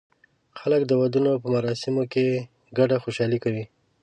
خلک د ودونو په مراسمو کې ګډه خوشالي کوي.